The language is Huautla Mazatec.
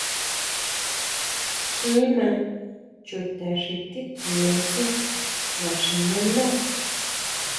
Kjín maa chuta xi titsuma sun naxinándá.